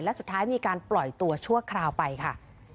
และสุดท้ายมีการปล่อยตัวชั่วคราวไปค่ะ